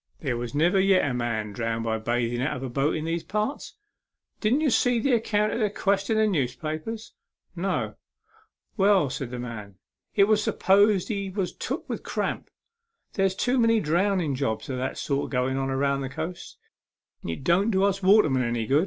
" There never yet was a man A MEMORABLE SWIM. 69 drownded by bathing out of a boat in these parts. Didn't ye see the account of the 'quest in the newspapers ?" "No." " Well," said the man, " it was supposed he was took with cramp. There's too many drownding jobs of that sort going on along the coast. It don't do us watermen any good.